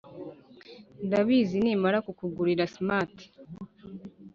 ndabizi nimara kukugurira smart-